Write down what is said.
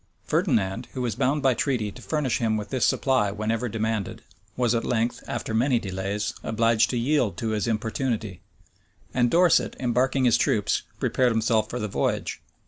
Ferdinand, who was bound by treaty to furnish him with this supply whenever demanded, was at length, after many delays, obliged to yield to his importunity; and Dorset, embarking his troops, prepared himself for the voyage.